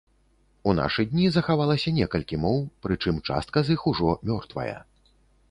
У нашы дні захавалася некалькі моў, прычым частка з іх ужо мёртвая.